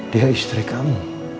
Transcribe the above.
dia istri kamu